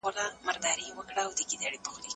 خان دا کار بدنامه وباله